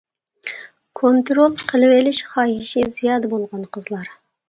كونترول قىلىۋېلىش خاھىشى زىيادە بولغان قىزلار.